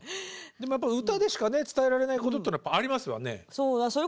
でもやっぱり歌でしかね伝えられないことってのはやっぱありますわね。